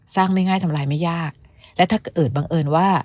ไม่ง่ายทำลายไม่ยากและถ้าเกิดบังเอิญว่า